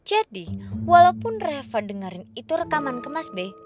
jadi walaupun reva dengerin itu rekaman ke mas benny